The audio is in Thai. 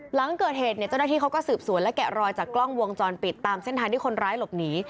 หลังเกิดเหตุเนี่ยเจ้าหน้าที่เขาก็สืบสวนและแกะรอยจากกล้องวงจรปิดตามเส้นทางที่คนร้ายหลบหนี